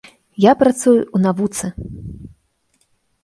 Я працую ў навуцы!